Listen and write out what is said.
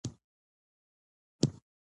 د افغانستان په منظره کې نورستان ښکاره ده.